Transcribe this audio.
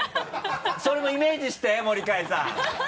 それもイメージして森開さん。